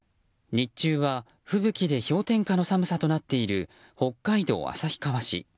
日中は吹雪で氷点下の寒さとなっている北海道旭川市。